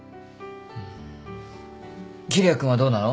うん桐矢君はどうなの？